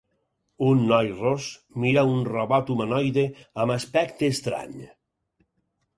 Un noi ros mira un robot humanoide amb aspecte estrany.